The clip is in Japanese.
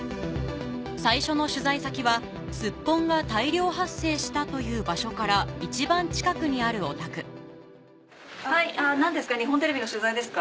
最初の取材先はスッポンが大量発生したという場所から一番近くにあるお宅何ですか？